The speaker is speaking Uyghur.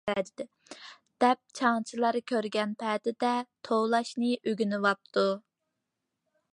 دەپ چاڭچىلە كۆرگەن پەدىدە توۋلاشنى ئۆگىنىۋاپتۇ.